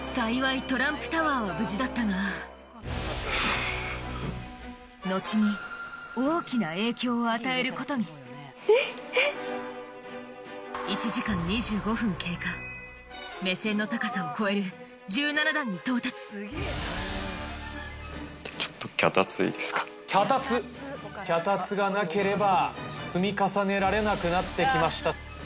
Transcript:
幸い後にを与えることに１時間２５分経過目線の高さを超える１７段に到達脚立脚立がなければ積み重ねられなくなってきました。